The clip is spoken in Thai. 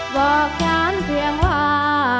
บอกฉันเพียงว่า